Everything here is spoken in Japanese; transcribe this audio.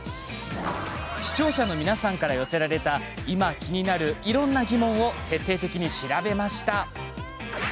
視聴者から寄せられた今、気になるいろんな疑問を徹底的に調べました。